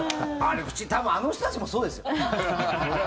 多分、あの人たちもそうですよ。